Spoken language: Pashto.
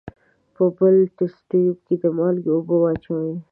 په بل تست تیوب کې د مالګې اوبه واچوئ.